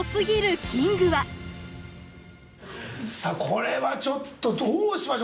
これはちょっとどうしましょう。